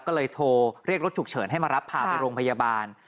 ก็เลยโทรเรียกรถฉุกเฉินให้มารับพาไปโรงพยาบาล